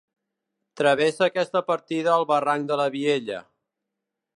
Travessa aquesta partida el barranc de la Viella.